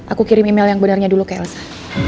aku kirim email yang benarnya dulu ke elsa